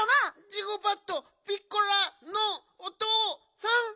ジゴバットピッコラのおとうさん？